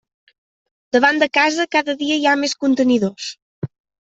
Davant de casa cada dia hi ha més contenidors.